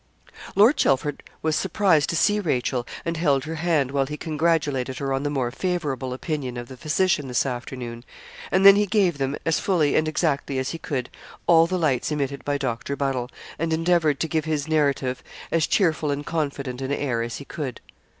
Lord Chelford was surprised to see Rachel, and held her hand, while he congratulated her on the more favourable opinion of the physician this afternoon; and then he gave them, as fully and exactly as he could, all the lights emitted by Dr. Buddle, and endeavoured to give his narrative as cheerful and confident an air as he could.